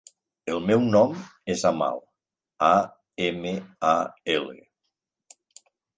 El meu nom és Amal: a, ema, a, ela.